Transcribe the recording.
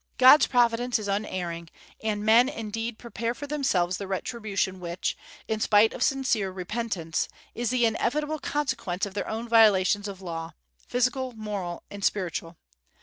God's providence is unerring, and men indeed prepare for themselves the retribution which, in spite of sincere repentance, is the inevitable consequence of their own violations of law, physical, moral, and spiritual.